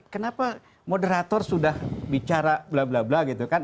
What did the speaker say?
kenapa moderator sudah bicara bla bla bla gitu kan